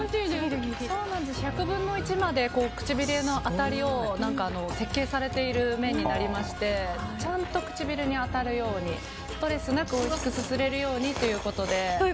１００分の１まで唇への当たりを設計されている麺になりましてちゃんと唇に当たるようにストレスなくおいしくすすれるようにということで。